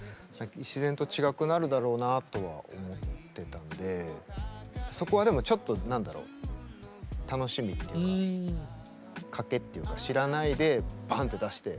自然と違くなるだろうなとは思ってたのでそこはでもちょっと何だろう楽しみっていうか賭けっていうか知らないでバーンと出して。